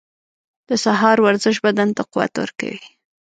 • د سهار ورزش بدن ته قوت ورکوي.